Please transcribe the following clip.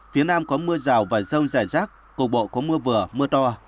phía nam có mưa rào và rông rải rác cục bộ có mưa vừa mưa to